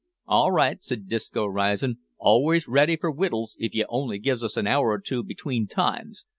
"All right," said Disco, rising; "always ready for wittles if you only gives us an hour or two between times.